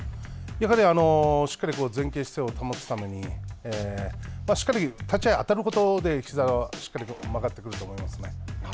やはりしっかり前傾姿勢を保つために、しっかり立ち合い当たることでひざはしっかり曲がってくると思います。